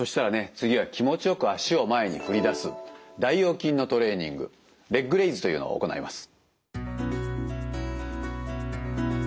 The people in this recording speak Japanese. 次は気持ちよく足を前に振り出す大腰筋のトレーニングレッグレイズというのを行います。